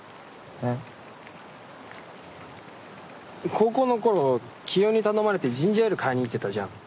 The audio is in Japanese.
高校の頃清居に頼まれてジンジャーエール買いに行ってたじゃん。